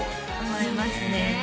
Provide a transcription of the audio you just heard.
思いますね